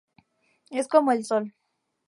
Es como el sol.